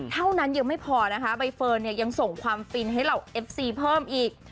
เท่านั้นยังไม่พอนะคะใบเฟิร์นเนี่ยยังส่งความฟินให้เหล่าเอฟซีเพิ่มอีก